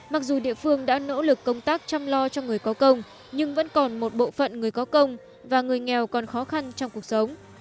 mặc dù địa phương đã nỗ lực công tác chăm lo cho người có công nhưng vẫn còn một bộ phận người có công và người nghèo còn khó khăn trong cuộc sống